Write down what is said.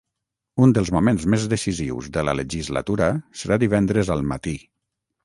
Un dels moments més decisius de la legislatura serà divendres al matí.